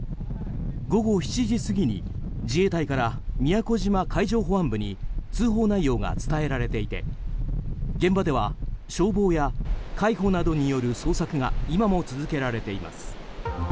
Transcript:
午後７時過ぎに自衛隊から宮古島海上保安部に通報内容が伝えられていて現場では消防や海保などによる捜索が今も続けられています。